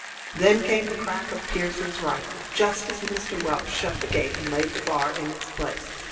Then came the crack of Pearson's rifle just as Mr. Welch shut the gate and laid the bar in its place.